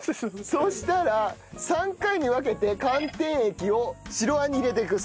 そしたら３回に分けて寒天液を白あんに入れていく。